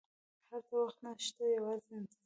هلته وخت نه شته، یوازې انتظار.